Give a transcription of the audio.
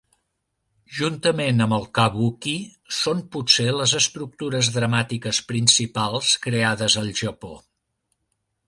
Juntament amb el kabuki, són potser les estructures dramàtiques principals creades al Japó.